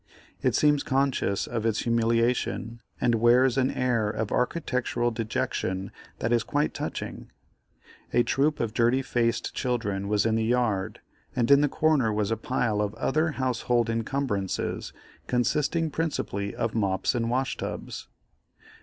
It seems conscious of its humiliation, and wears an air of architectural dejection that is quite touching. A troop of dirty faced children was in the yard, and in the corner was a pile of other household incumbrances, consisting principally of mops and washtubs.